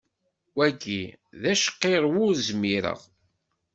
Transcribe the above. Wagi d acqirrew ur zmireɣ.